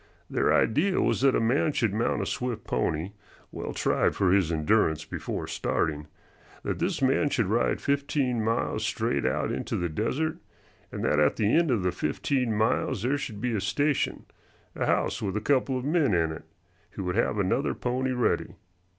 Their idea was that a man should mount a swift pony, well tried for his endurance before starting; that this man should ride fifteen miles straight out into the desert, and that at the end of the fifteen miles there should be a station, a house with a couple of men in it, who would have another pony ready.